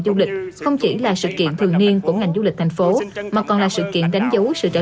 du lịch không chỉ là sự kiện thường niên của ngành du lịch thành phố mà còn là sự kiện đánh dấu sự trở